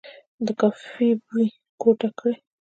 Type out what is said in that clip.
د کافي بوی کور ډک کړ.